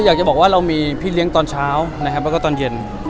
อยากจะบอกว่าเรามีพี่เลี้ยงตอนเช้านะครับแล้วก็ตอนเย็น